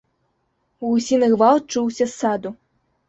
Гусіны гвалт чуўся з саду.